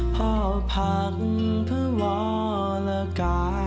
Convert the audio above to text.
พ่อพักเพื่อวอลกาย